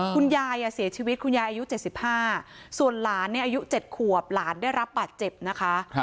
อ๋อคุณยายอ่ะเสียชีวิตคุณยายอายุเจ็ดสิบห้าส่วนหลานเนี่ยอายุเจ็ดขวบหลานได้รับปัจเจ็บนะคะ